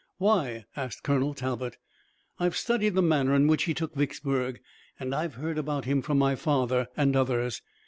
"Why?" asked Colonel Talbot. "I've studied the manner in which he took Vicksburg, and I've heard about him from my father, and others.